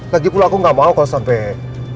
lagipula aku gak mau kalau sampai